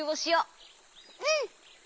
うん！